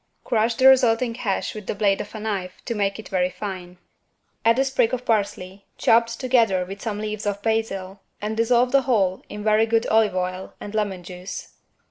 Crush the resulting hash with the blade of a knife to make it very fine. Add a sprig of parsley, chopped together with some leaves of basil and dissolve the whole in very good olive oil and lemon juice.